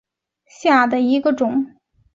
刺绣芋螺为芋螺科芋螺属下的一个种。